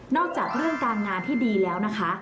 จากเรื่องการงานที่ดีแล้วนะคะ